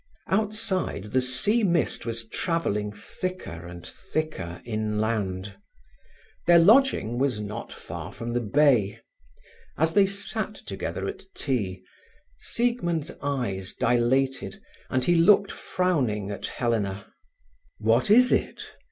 Outside, the sea mist was travelling thicker and thicker inland. Their lodging was not far from the bay. As they sat together at tea, Siegmund's eyes dilated, and he looked frowning at Helena. "What is it?"